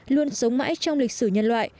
luôn sống mãi trong lịch sử nhân loại